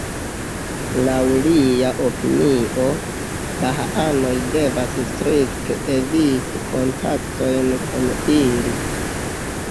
Laŭ lia opinio, bahaanoj devas strikte eviti kontaktojn kun ili.